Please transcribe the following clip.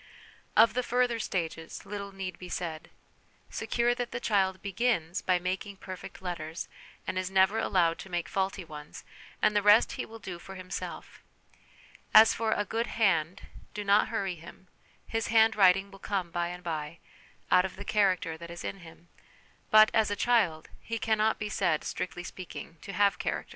Of the further stages, little need be said. Secure that the child begins by making perfect letters and is never allowed to make faulty ones, and the rest he will do for himself; as for 'a good hand,' do not hurry him; his 'handwriting' will come by and by, out of the character that is in him ; but, as a child, he cannot be said, strictly speaking, to have character.